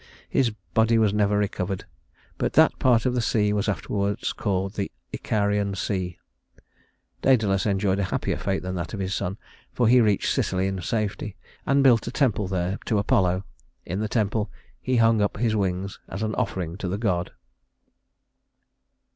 His body was never recovered, but that part of the sea was afterwards called the Icarian Sea. Dædalus enjoyed a happier fate than that of his son, for he reached Sicily in safety and built a temple there to Apollo. In the temple he hung up his wings as an offering to the god.